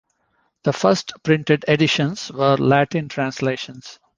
The first printed editions were Latin translations.